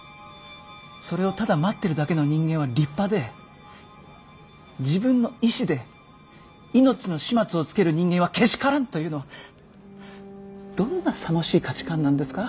それをただ待ってるだけの人間は立派で自分の意志で命の始末をつける人間はけしからんというのはどんなさもしい価値観なんですか？